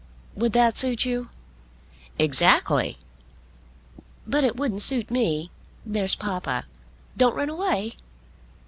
Would that suit you?" "Exactly." "But it wouldn't suit me. There's papa. Don't run away."